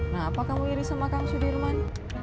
nah apa kamu iris sama kang sudirman